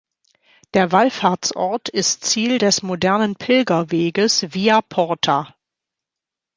Der Wallfahrtsort ist Ziel des modernen Pilgerweges Via Porta.